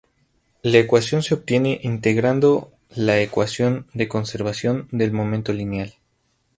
La ecuación se obtiene integrando la ecuación de conservación del momento lineal.